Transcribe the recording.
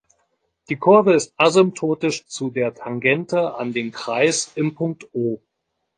Die Kurve ist asymptotisch zu der Tangente an den Kreis im Punkt "O".